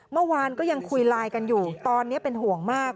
เมื่อวานก็ยังคุยไลน์กันอยู่ตอนนี้เป็นห่วงมาก